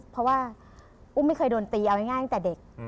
เพราะว่าอุ้มไม่เคยโดนตีเอาง่ายตั้งแต่เด็ก